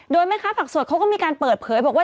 โดยแม่ค้าผักสดเขาก็มีการเปิดเผยบอกว่า